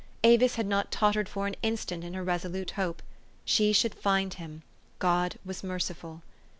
Avis had not tottered for an instant in her resolute hope. She should find him. God was merciful.